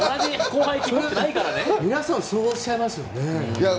皆さんそうおっしゃいますよね。